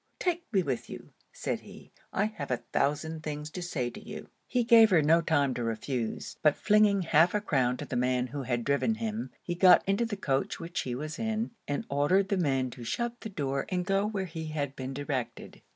take me with you,' said he. 'I have a thousand things to say to you.' He gave her no time to refuse: but flinging half a crown to the man who had driven him, he got into the coach which she was in, and ordered the man to shut the door and go where he had been directed.